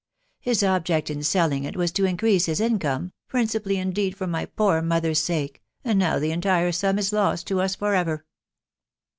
.•. His object in selling it was to increase his income, principally indeed for my poor mother's sake, and now the entire sum is lost to us for ever